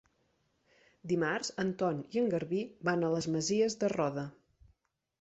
Dimarts en Ton i en Garbí van a les Masies de Roda.